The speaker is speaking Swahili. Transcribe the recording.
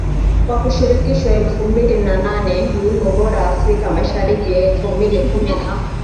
wa Kushirikishwa elfu mbili na nane Wimbo Bora Afrika Mashariki elfu mbili kumi na